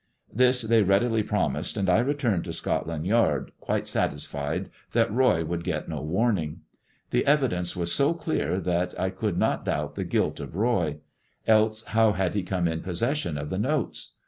This they readily promised, and I returned to Scotland Yard, quite satisfied that Roy would get no warning. The evidence was so clear that I could not doubt the guilt of Roy. Else how had he come in possession of the notes?